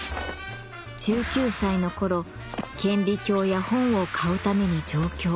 １９歳の頃顕微鏡や本を買うために上京。